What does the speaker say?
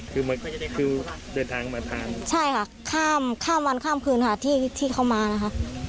คือมันไม่ได้คือเดินทางมาทานใช่ค่ะข้ามข้ามวันข้ามคืนค่ะที่ที่เขามานะคะ